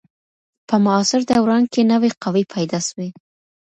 په معاصر دوران کي نوي قوې پیدا سوې.